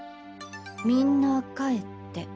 「みんな帰って」。